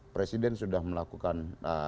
presiden sudah melakukan